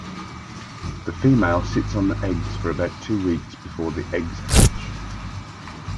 The female sits on the eggs for about two weeks before the eggs hatch.